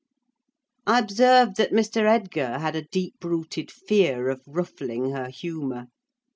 I observed that Mr. Edgar had a deep rooted fear of ruffling her humour.